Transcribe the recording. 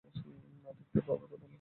না, দেখতে পাবার কথা না।